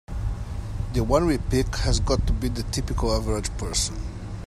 The one we pick has gotta be the typical average person.